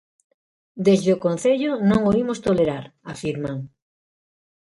Desde o concello non o imos tolerar, afirman.